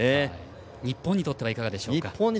日本にとってはいかがでしょうか？